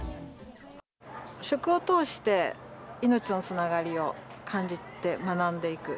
食を通して、命のつながりを感じて学んでいく。